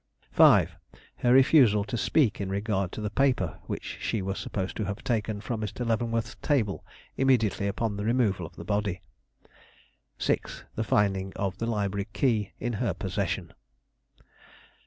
5. Her refusal to speak in regard to the paper which she was supposed to have taken from Mr. Leavenworth's table immediately upon the removal of the body. 6. The finding of the library key in her possession.